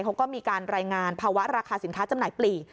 เขาก็มีการรายงานภาวะราคาสินค้าจำหน่ายปลีก